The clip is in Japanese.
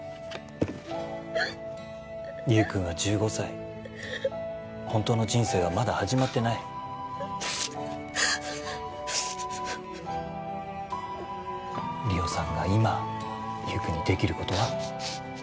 優くんは１５歳本当の人生はまだ始まってない梨央さんが今優くんにできることは？